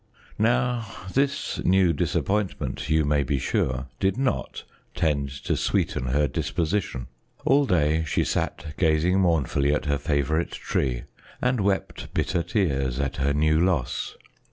Now this new disappointment, you may be sure, did not tend to sweeten her disposition. All day she sat gazing mournfully at her favorite tree and wept bitter tears at her new loss.